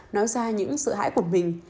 nói ra những sự hãi của mình